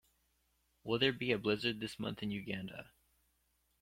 Will there be a blizzard this month in Uganda